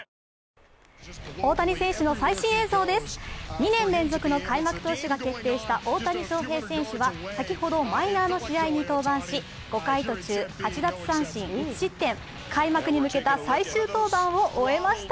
２年連続の開幕投手が決定した大谷選手は先ほどマイナーの試合に登板し５回途中、８奪三振１失点、開幕に向けた最終登板を終えました。